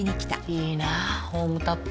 いいなホームタップ。